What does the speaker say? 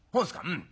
「うん。